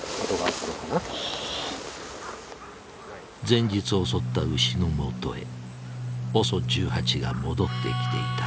前日襲った牛のもとへＯＳＯ１８が戻ってきていた。